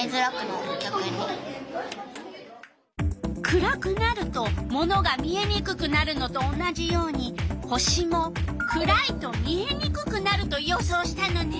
暗くなるとものが見えにくくなるのと同じように星も暗いと見えにくくなると予想したのね。